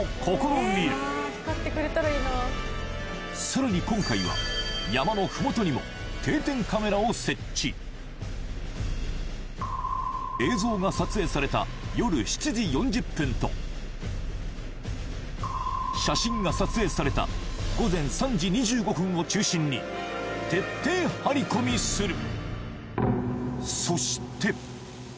さらに今回は山のふもとにも定点カメラを設置映像が撮影された夜７時４０分と写真が撮影された午前３時２５分を中心に徹底張り込みする！